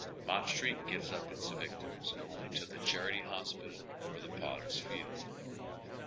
Mott Street gives np its victims only to the Charity Hospital or tlie Potter's Field.